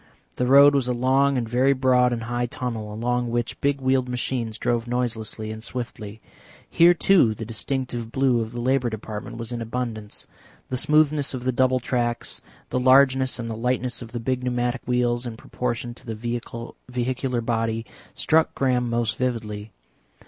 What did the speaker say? The road was a long and very broad and high tunnel, along which big wheeled machines drove noiselessly and swiftly. Here, too, the distinctive blue of the Labour Department was in abundance. The smoothness of the double tracks, the largeness and the lightness of the big pneumatic wheels in proportion to the vehicular body, struck Graham most vividly.